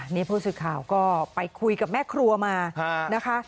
นี่ผู้สื่อข่าวก็ไปคุยกับแม่ครัวมานะคะ